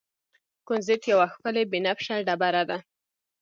کونزیټ یوه ښکلې بنفشه ډبره ده.